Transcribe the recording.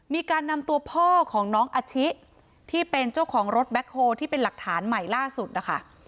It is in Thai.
มีการนำตัวพ่อของน้องอาชิที่เป็นเจ้าของรถแบ็คโฮลที่เป็นหลักฐานใหม่ล่าสุดนะคะ